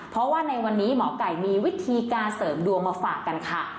เพราะว่าในวันนี้หมอไก่มีวิธีการเสริมดวงมาฝากกันค่ะ